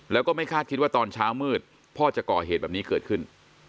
แล้วก็ไม่คาดคิดว่าตอนเช้ามืดพ่อจะก่อเหตุแบบนี้เกิดขึ้น